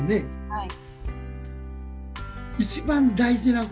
はい。